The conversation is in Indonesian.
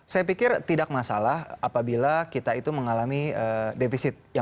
saya pikir tidak masalah apabila kita itu mengalami defisit